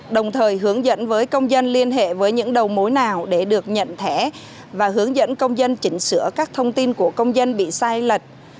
đồng thời hướng dẫn với công dân liên hệ với những đầu mối nào để được nhận thẻ và hướng dẫn công dân chỉnh sửa các thông tin của công dân bị sai lệch